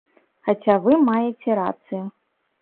Хаця вы маеце рацыю.